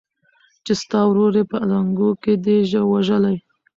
چي ستا ورور یې په زانګو کي دی وژلی